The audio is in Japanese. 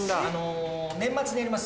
年末にあります。